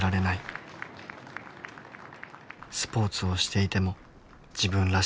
スポーツをしていても自分らしさは消えていた。